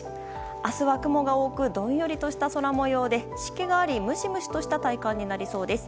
明日は雲が多くどんよりとした空模様で湿気があり、ムシムシとした体感になりそうです。